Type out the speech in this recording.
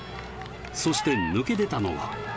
そして抜け出たのは。